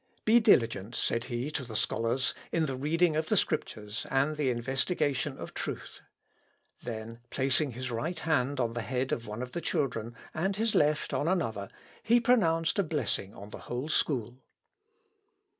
"Be diligent," said he to the scholars, "in the reading of the Scriptures, and the investigation of truth." Then placing his right hand on the head of one of the children, and his left on another, he pronounced a blessing on the whole school.